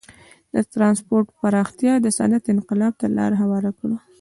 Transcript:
د ټرانسپورت پراختیا د صنعت انقلاب ته لار هواره کړه.